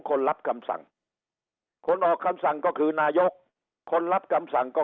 คนรับคำสั่งคนออกคำสั่งก็คือนายกคนรับคำสั่งก็